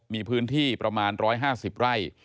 มีพื้นที่ประมาณ๑๕๐ไร่